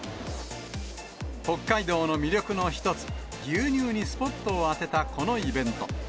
北海道の魅力の一つ、牛乳にスポットを当てたこのイベント。